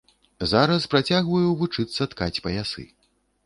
Зараз працягваю вучыцца ткаць паясы.